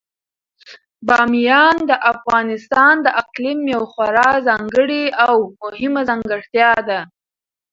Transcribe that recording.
بامیان د افغانستان د اقلیم یوه خورا ځانګړې او مهمه ځانګړتیا ده.